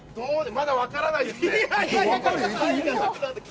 まだわからないですね。